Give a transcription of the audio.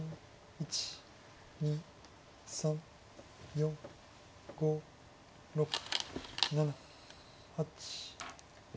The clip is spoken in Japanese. １２３４５６７８。